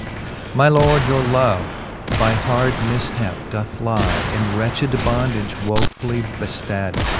My lord, your love, by hard mifhap doth lie In wretched bondage, wofully beftad.